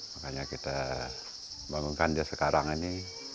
makanya kita bangunkan dia sekarang ini